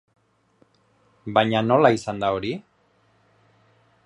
Baina nola izan da hori?